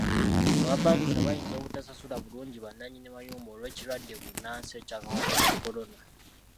Abapangisa bayinza obutasasula bulungi bannannyini mayumba olw'ekirwadde bbunansi eky'akawuka ka kolona.